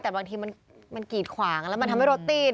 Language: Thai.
แต่บางทีมันกีดขวางแล้วมันทำให้รถตี้